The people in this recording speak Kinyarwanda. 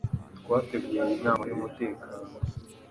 Twateguye iyi nama y'umutekano